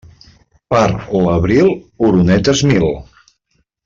Per l'abril, oronetes mil.